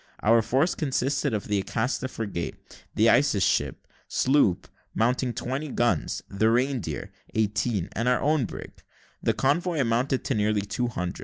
Our force consisted of the Acasta frigate, the Isis ship, sloop, mounting twenty guns, the Reindeer, eighteen, and our own brig. The convoy amounted to nearly two hundred.